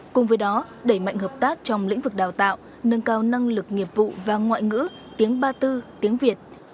cùng với đó đẩy mạnh hợp tác trong lĩnh vực đào tạo nâng cao năng lực nghiệp vụ và ngoại ngữ tiếng ba tư tiếng việt